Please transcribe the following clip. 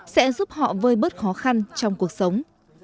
sẽ giúp họ vơi bớt khó khăn trong cuộc sống